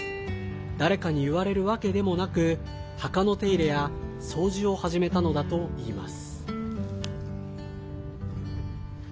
誰かに言われるわけでもなく墓の手入れや掃除を始めたのだといいます。